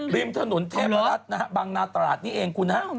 ริมถนนเทพรัฐนะฮะบางนาตราดนี่เองคุณฮะ